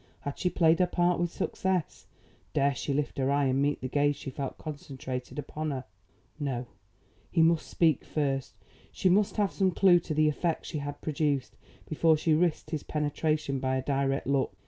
Had she played her part with success? Dare she lift her eye and meet the gaze she felt concentrated upon her? No. He must speak first. She must have some clew to the effect she had produced before she risked his penetration by a direct look.